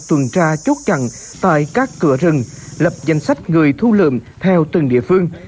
tuần tra chốt chặn tại các cửa rừng lập danh sách người thu lượm theo từng địa phương